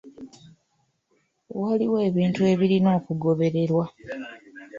Waliwo ebintu ebirina okugobererwa.